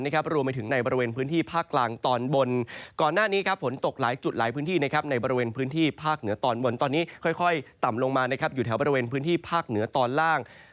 ต่างปล่าวนี้จะค่อยอ่อนกำลังลงอย่างต่อเนื่อง